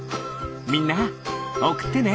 みんなおくってね！